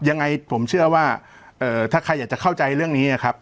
ยังไงผมเชื่อว่าถ้าใครอยากจะเข้าใจเรื่องนี้นะครับ